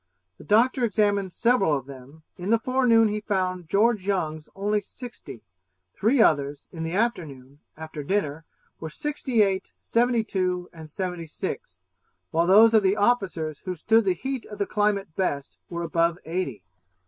The doctor examined several of them: in the forenoon he found George Young's only sixty; three others, in the afternoon, after dinner, were sixty eight, seventy two, and seventy six, while those of the officers who stood the heat of the climate best were above eighty.